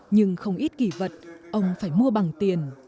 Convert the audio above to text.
nhưng không ít kỷ vật ông phải mua bằng tiền